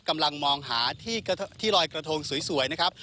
กำลังมองหาที่ลอยกระทงสวยนะครับ